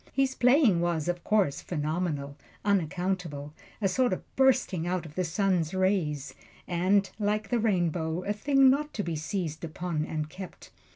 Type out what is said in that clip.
His playing was, of course, phenomenal, unaccountable, a sort of bursting out of the sun's rays, and, like the rainbow, a thing not to be seized upon and kept.